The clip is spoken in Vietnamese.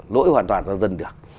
lỗi hoàn toàn cho dân được